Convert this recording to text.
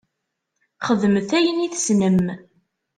Xedmet ayen i tessnem.